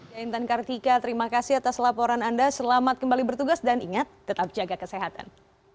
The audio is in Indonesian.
ya intan kartika terima kasih atas laporan anda selamat kembali bertugas dan ingat tetap jaga kesehatan